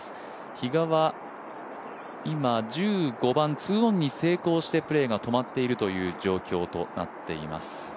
比嘉は今、１５番２オンに成功してプレーが止まっているという状況になっています。